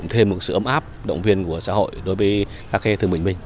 thêm một sự ấm áp động viên của xã hội đối với các thương bệnh binh